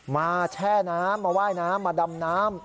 แช่น้ำมาว่ายน้ำมาดำน้ำ